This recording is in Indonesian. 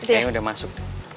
ini udah masuk